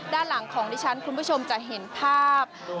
ด้านหลังของดิฉันคุณผู้ชมจะเห็นภาพ